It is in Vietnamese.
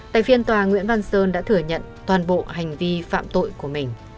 tại phiên tòa nguyễn văn sơn đã thừa nhận toàn bộ hành vi phạm tội của mình